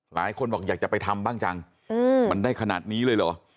หลายคนบอกอยากจะไปทำบ้างจังมันได้ขนาดนี้เลยเหรอ